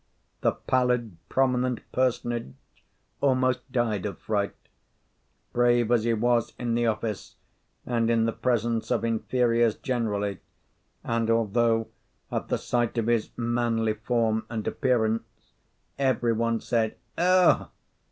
The pallid prominent personage almost died of fright. Brave as he was in the office and in the presence of inferiors generally, and although, at the sight of his manly form and appearance, every one said, "Ugh!